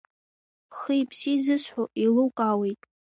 Хи-ԥси зысҳәо еилукаауеит?